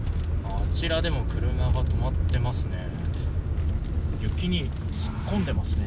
あちらでも車が止まっていますね。